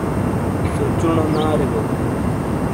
سو چُونو نارے گو۔